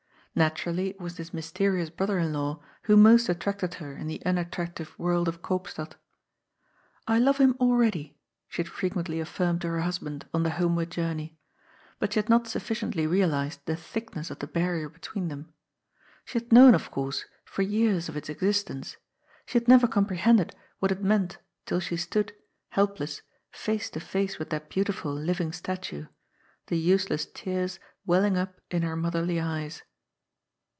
Naturally it was this mysterious brother in law who most attracted her in the unattractive world of Koopstad. " I love him already," she had frequently affirmed to her hus band on the homeward journey. But she had not suffi ciently realized the thickness of the barrier between them. She had known, of course, for years of its existence. She had never comprehended what it meant till she stood, help less, face to face with that beautiful living statue — ^the use less tears welling up in her motherly eyes.